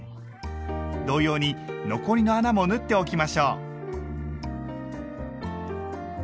同様に残りの穴も縫っておきましょう。